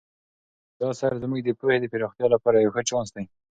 دا اثر زموږ د پوهې د پراختیا لپاره یو ښه چانس دی.